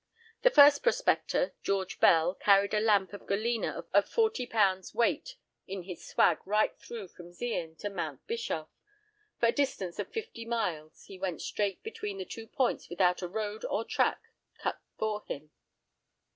The first prospector, George Bell, carried a lump of galena of forty pounds' weight in his swag right through from Zeehan to Mount Bischoff. For a distance of fifty miles he went straight between the two points without a road or track being cut for him."